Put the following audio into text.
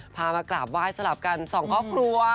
มากราบไหว้สลับกันสองครอบครัว